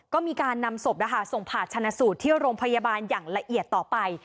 ก็มีการนำศพส่งผ่าชนะสูตรที่โรงพยาบาลอย่างละเอียดต่อไป